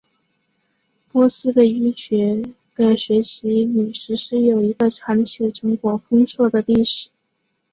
波斯的医学的学习与实施有一个长且成果丰硕的历史。